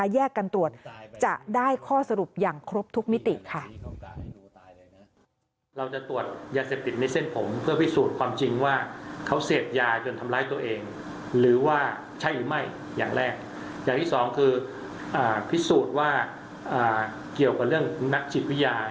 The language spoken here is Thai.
แยกกันตรวจจะได้ข้อสรุปอย่างครบทุกมิติค่ะ